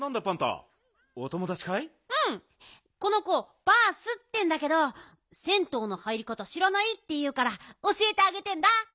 この子バースってんだけど銭湯の入りかたしらないっていうからおしえてあげてんだ。